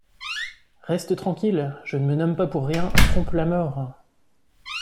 Reste tranquille ! je ne me nomme pas pour rien Trompe-la-Mort !